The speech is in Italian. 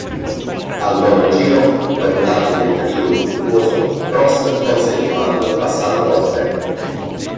Al nono giro, dopo un altro tentativo infruttuoso, Prost colse il comando passando Rosberg.